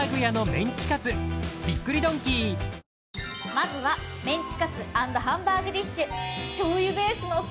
まずはメンチカツ＆ハンバーグディッシュ。